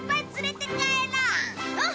うん！